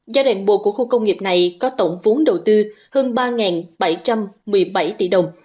giai đoạn một của khu công nghiệp này có tổng vốn đầu tư hơn ba bảy trăm một mươi bảy tỷ đồng